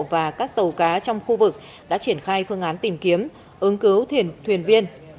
và các tàu cá trong khu vực đã triển khai phương án tìm kiếm ứng cứu thuyền viên